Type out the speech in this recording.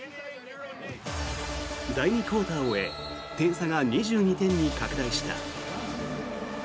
第２クオーターを終え点差が２２点に拡大した。